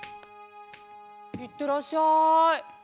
いってらっしゃい。